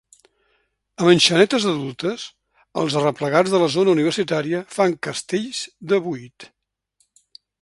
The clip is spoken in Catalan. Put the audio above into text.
Amb enxanetes adultes, els Arreplegats de la Zona Universitària fan castells de vuit